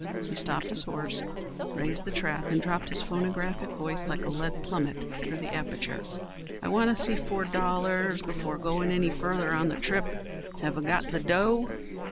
He stopped his horse, raised the trap and dropped his phonographic voice, like a lead plummet, through the aperture: "I want to see four dollars before goin' any further on th' thrip. Have ye got th' dough?"